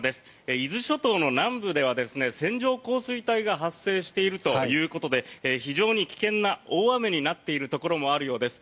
伊豆諸島の南部では線状降水帯が発生しているということで非常に危険な大雨になっているところもあるようです。